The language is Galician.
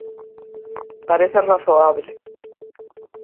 Parece razoable.